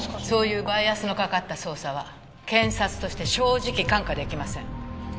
そういうバイアスのかかった捜査は検察として正直看過できません。